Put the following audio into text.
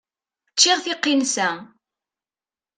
Ččiɣ tiqinsa.